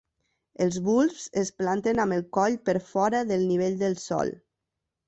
Els bulbs es planten amb el coll per fora del nivell del sòl.